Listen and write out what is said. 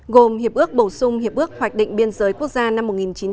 gồm hiệp ước bổ sung hiệp ước hoạch định biên giới quốc gia năm một nghìn chín trăm tám mươi năm